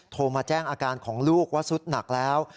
โทรมาแจ้งอาการของลูกว่าสุดหนักแล้ว